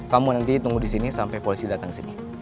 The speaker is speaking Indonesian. kamu nanti tunggu disini sampai polisi datang kesini